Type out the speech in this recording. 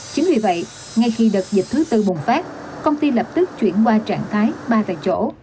chính vì vậy ngay khi đợt dịch thứ tư bùng phát công ty lập tức chuyển qua trạng thái ba tại chỗ